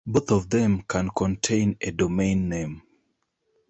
Both of them can contain a domain name.